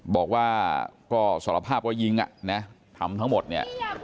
บอกว่าก็สารภาพว่ายิงอ่ะนะทำทั้งหมดเนี่ย